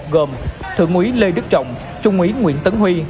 gồm thượng úy lê đức trọng trung úy nguyễn tấn huy